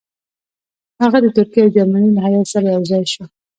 هغه د ترکیې او جرمني له هیات سره یو ځای شو.